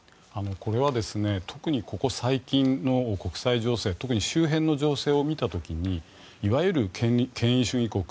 これは特にここ最近の国際情勢特に周辺の情勢を見た時にいわゆる権威主義国